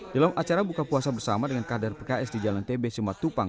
dalam acara buka puasa bersama dengan kader pks di jalan tb simatupang